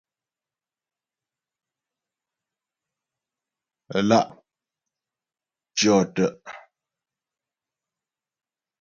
Lá' tyɔ́ te'.